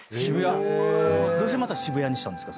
どうしてまた渋谷にしたんですか？